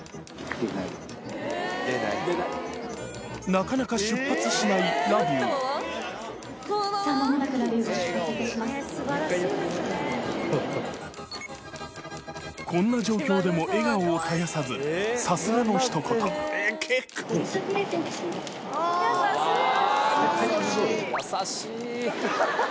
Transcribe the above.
なかなか出発しないＬａｖｉｅｗこんな状況でも笑顔を絶やさずさすがのひと言優しい！